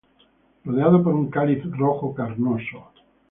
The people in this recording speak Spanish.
Rodeado por un cáliz rojo carnoso.